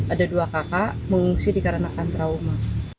ada dua kakak mengungsi dikarenakan trauma